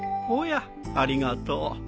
おやありがとう。